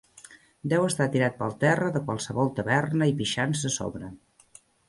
Deu estar tirat pel terra de qualsevol taverna i pixant-se a sobre.